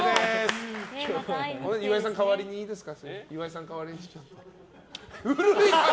岩井さん、代わりにいいですか？